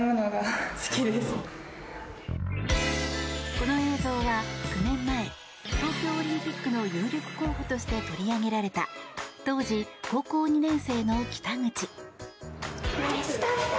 この映像は９年前東京オリンピックの有力候補として取り上げられた当時、高校２年生の北口。